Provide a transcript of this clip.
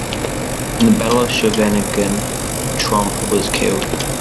In the Battle of Scheveningen, Tromp was killed.